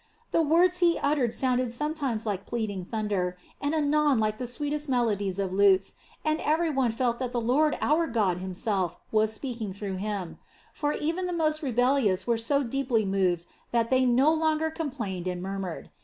The words he uttered sounded sometimes like pealing thunder, and anon like the sweet melody of lutes, and every one felt that the Lord our God Himself was speaking through him; for even the most rebellious were so deeply moved that they no longer complained and murmured.